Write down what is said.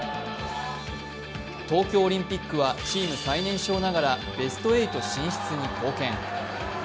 東京オリンピックはチーム最年少ながらベスト８進出に貢献。